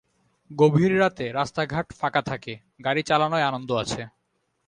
গভীর রাতে রাস্তাঘাট ফাঁকা থাকে, গাড়ি চালানোয় আনন্দ আছে।